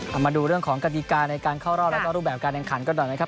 เอามาดูเรื่องของกติกาในการเข้ารอบแล้วก็รูปแบบการแข่งขันกันหน่อยนะครับ